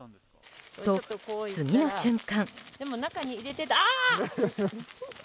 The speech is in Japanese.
と、次の瞬間。